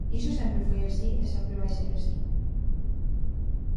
¡Iso sempre foi así e sempre vai ser así!